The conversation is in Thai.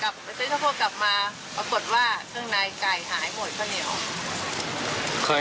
เมื่อเจ้าพ่อกลับมาก็กดว่าเครื่องในไก่หายหมดข้าวเหนียว